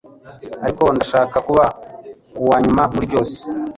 ariko ndashaka kuba uwanyuma muri byose